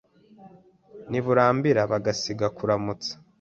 N'i Burambira bagasiba kuramutsa